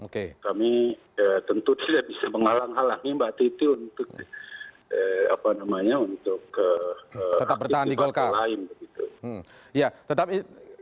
kami tentu tidak bisa menghalang halangi mbak titi untuk apa namanya untuk hak pribadi lain